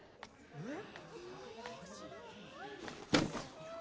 えっ！？